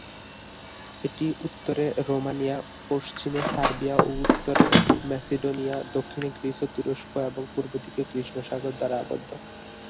এটি উত্তরে রোমানিয়া, পশ্চিমে সার্বিয়া ও উত্তর মেসিডোনিয়া, দক্ষিণে গ্রিস ও তুরস্ক এবং পূর্বদিকে কৃষ্ণ সাগর দ্বারা আবদ্ধ।